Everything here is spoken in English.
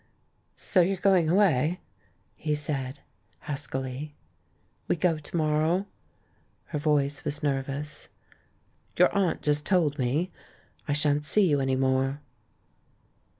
"So you're going away?" he said huskily. "We go to morrow." Her voice was nervous. "Your aunt just told me. I shan't see you any more."